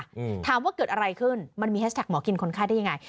อืมถามว่าเกิดอะไรขึ้นมันมีแฮชแท็กหมอกินคนไข้ได้ยังไง